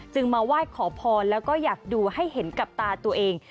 จึงมาไหว้ขอภาพลกฎและก็อยากดูให้เห็นกับตาตัวเอง